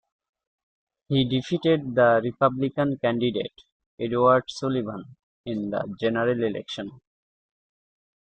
He defeated the Republican candidate, Edward Sullivan, in the general election.